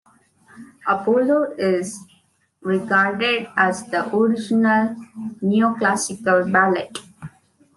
Apollo is regarded as the original neoclassical ballet.